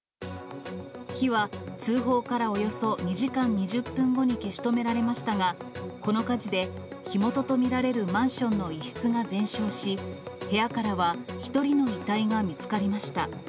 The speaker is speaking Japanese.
火は通報からおよそ２時間２０分後に消し止められましたが、この火事で火元と見られるマンションの一室が全焼し、部屋からは１人の遺体が見つかりました。